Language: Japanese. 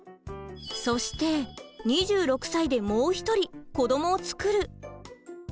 そして２６歳でもう一人子どもを作る。